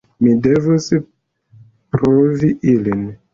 Mi devus provi ilin.